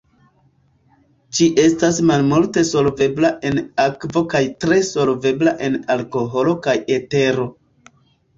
Ĝi estas malmulte solvebla en akvo kaj tre solvebla en alkoholo kaj etero.